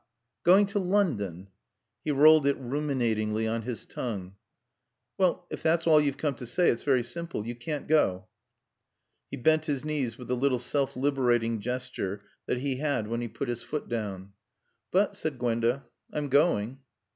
Going to London " He rolled it ruminatingly on his tongue. "Well, if that's all you've come to say, it's very simple. You can't go." He bent his knees with the little self liberating gesture that he had when he put his foot down. "But," said Gwenda, "I'm going."